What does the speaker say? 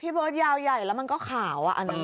พี่โบ๊ทยาวใหญ่แล้วมันก็ขาวอ่ะอันนี้